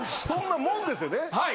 そんなもんですよね。